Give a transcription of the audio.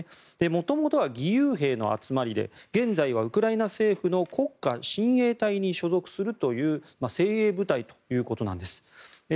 元々は義勇兵の集まりで現在はウクライナ政府の国家親衛隊に所属するという精鋭部隊ということなんです。